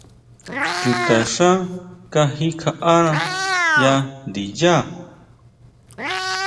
Chuta xá kaji kjaʼána ya ndiyá.